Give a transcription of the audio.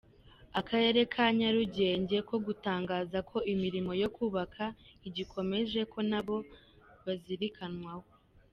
Akarere ka Nyarugenge ko gatangaza ko imirimo yo kubaka igikomeje, ko nabo bazirikanwaho.